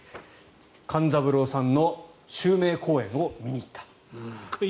勘三郎さんの襲名公演を見に行った。